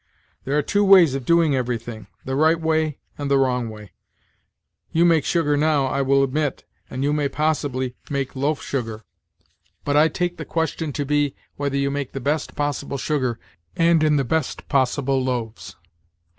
There are two ways of doing everything, the right way and the wrong way. You make sugar now, I will admit, and you may, possibly, make loaf sugar; but I take the question to be, whether you make the best possible sugar, and in the best possible loaves."